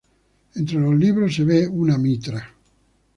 Entre los libros se ve una mitra.